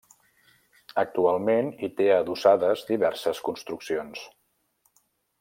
Actualment hi té adossades diverses construccions.